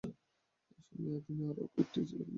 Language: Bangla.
এ সময়ে তাঁর আরো কয়েকটি ছেলে-মেয়ে জন্ম হয়।